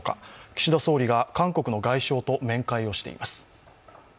岸田総理が、韓国の外相と面会をしています。